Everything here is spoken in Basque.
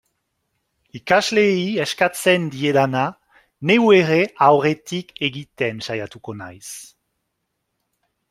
Ikasleei eskatzen diedana, neu ere aurretik egiten saiatuko naiz.